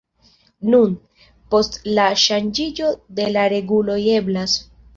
Nun, post la ŝanĝiĝo de la reguloj eblas.